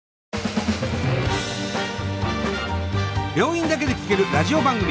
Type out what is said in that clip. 病院だけで聴けるラジオ番組。